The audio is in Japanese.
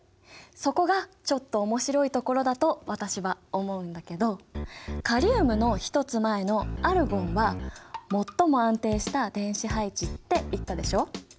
そこがちょっと面白いところだと私は思うんだけどカリウムの１つ前のアルゴンは最も安定した電子配置って言ったでしょ？